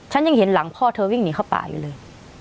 ฉันยังเห็นหลังพ่อเธอวิ่งหนีเข้าป่าอยู่เลย